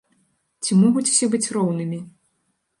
Ці могуць усе быць роўнымі?